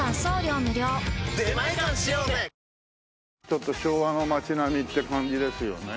ちょっと昭和の町並みって感じですよね。